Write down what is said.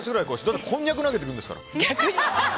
だってこんにゃく投げてくるんですから。